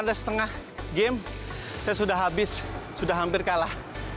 ada setengah game saya sudah habis sudah hampir kalah